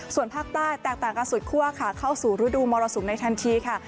ส่วนภาคใต้แตกต่างกันสุดคั่วค่ะเข้าสู่ฤดูมรสุมในทันทีค่ะ